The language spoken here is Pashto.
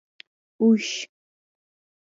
🐪 اوښ